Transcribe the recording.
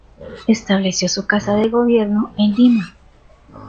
Estableció su casa de gobierno en Lima.